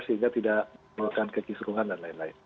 sehingga tidak melakukan kekisruhan dan lain lain